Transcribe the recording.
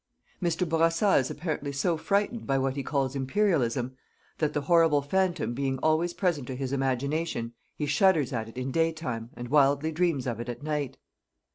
Mr. Bourassa is apparently so frightened by what he calls Imperialism that the horrible phantom being always present to his imagination, he shudders at it in day time, and wildly dreams of it at night.